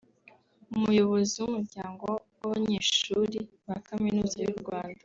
Umuyobozi w’Umuryango w’abanyeshuri ba Kaminuza y’u Rwanda